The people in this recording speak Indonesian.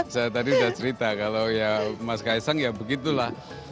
saya tadi sudah cerita kalau ya mas kaisang ya begitulah